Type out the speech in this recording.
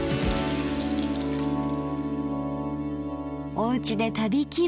おうちで旅気分。